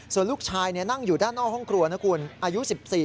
ส่วนลูกชายนั่งอยู่ด้านนอกห้องครัวนะคุณอายุ๑๔